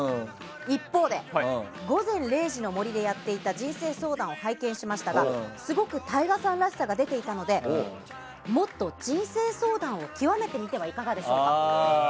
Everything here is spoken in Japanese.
一方で、「午前０時の森」でやっていた人生相談を拝見しましたがすごくＴＡＩＧＡさんらしさが出ていたのでもっと人生相談を極めてみてはいかがでしょうか？